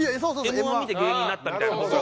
『Ｍ−１』を見て芸人になったみたいな事か。